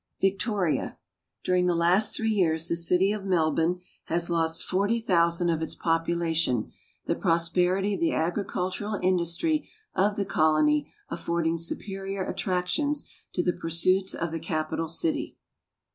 Victoria. During the last three years the city of iMelbonrne has lost 40,0fl0 of its population, the prosperity of the agricultural industry of the colony alfording superior attractions to the pui suitH of the caj)ital city.